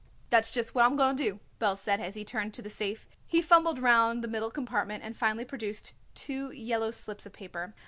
"That's just what I'm going to do," Belz said as he turned to the safe. He fumbled round the middle compartment and finally produced two yellow slips of paper.